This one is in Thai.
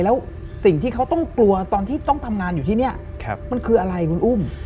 แล้วสิ่งที่เขาต้องกลัวตอนที่ต้องทำงานอยู่ที่นี่มันคืออะไรคุณอุ้ม